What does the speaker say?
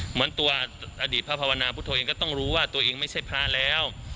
เหมือนตัวอดีตพระภาวนาพุทธเองก็ต้องรู้ว่าตัวเองไม่ใช่พระแล้ว